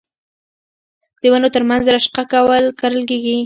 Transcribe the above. د ونو ترمنځ رشقه کرل کیږي.